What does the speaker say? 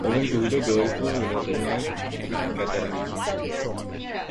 Owen Tudor joyfully reunites with Catherine.